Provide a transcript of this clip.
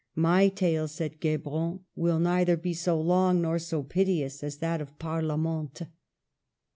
" My tale," said Guebron, " will neither be so long nor so piteous as that of Parlamente."